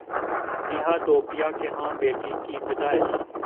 نیہا دھوپیا کے ہاں بیٹی کی پیدائش